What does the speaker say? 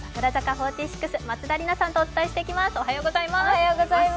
４６、松田里奈さんとお伝えします。